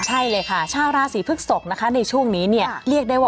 ใช่เลยค่ะชาวราศีพึกศกนะคะในช่วงนี้เนี่ย